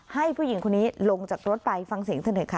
ผู้หญิงคนนี้ลงจากรถไปฟังเสียงเธอหน่อยค่ะ